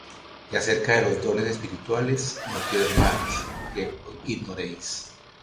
Y acerca de los dones espirituales, no quiero, hermanos, que ignoréis.